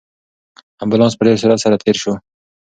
امبولانس په ډېر سرعت سره تېر شو.